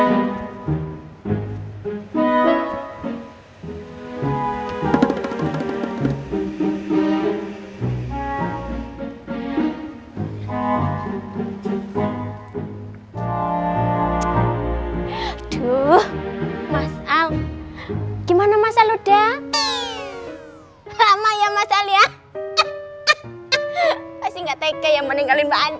hai tuh mas al gimana masa lho dah lama ya mas al ya pasti nggak tege yang meninggalin